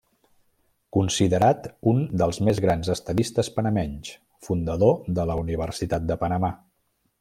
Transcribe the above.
Considerat un dels més grans estadistes panamenys, fundador de la Universitat de Panamà.